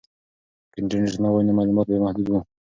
که انټرنیټ نه وای نو معلومات به محدود وو.